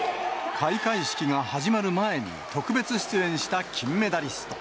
開会式が始まる前に特別出演した金メダリスト。